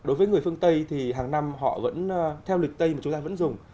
đối với người phương tây thì hàng năm họ vẫn theo lịch tây mà chúng ta vẫn dùng